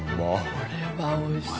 これは美味しい。